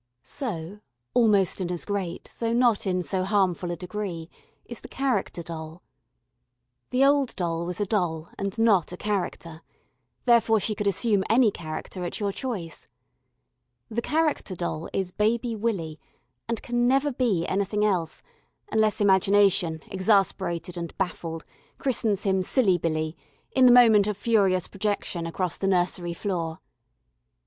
So, almost in as great, though not in so harmful a degree, is the "character doll." The old doll was a doll, and not a character. Therefore she could assume any character at your choice. The character doll is Baby Willy, and can never be anything else, unless imagination, exasperated and baffled, christens him Silly Billy in the moment of furious projection across the nursery floor.